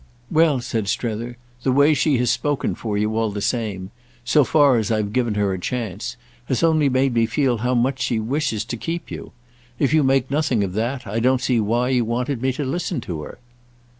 "Well," said Strether, "the way she has spoken for you, all the same—so far as I've given her a chance—has only made me feel how much she wishes to keep you. If you make nothing of that I don't see why you wanted me to listen to her."